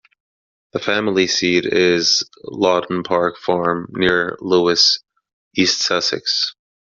The family seat is Laughton Park Farm, near Lewes, East Sussex.